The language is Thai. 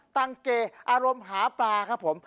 ตั้งเกอารมณ์หาปลาครับผม